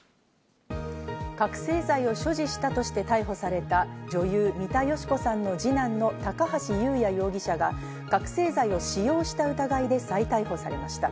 覚醒剤を所持したとして逮捕された、女優・三田佳子さんの二男の高橋祐也容疑者が覚せい剤を使用した疑いで再逮捕されました。